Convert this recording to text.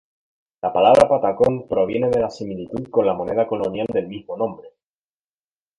La palabra patacón proviene de la similitud con la moneda colonial del mismo nombre.